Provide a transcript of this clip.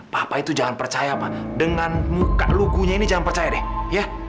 papa itu jangan percaya pak dengan muka lugunya ini jangan percaya deh ya